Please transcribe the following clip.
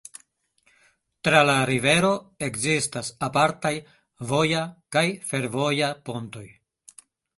Tra la rivero ekzistas apartaj voja kaj fervoja pontoj.